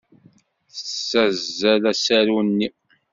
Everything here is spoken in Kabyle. Tessazzel asaru-nni.